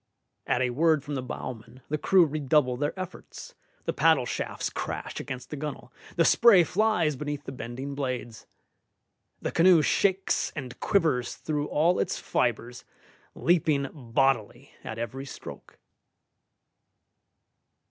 At a word from the bowman the crew redouble their efforts, the paddle shafts crash against the gunwale, the spray flies beneath the bending blades. The canoe shakes and quivers through all its fibres, leaping bodily at every stroke.